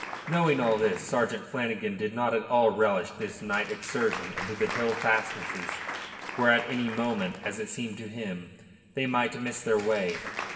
Knowing all this, Sergeant Flanagan did not at all relish this night excursion into the hill fastnesses, where at any moment, as it seemed to him, they might miss their way.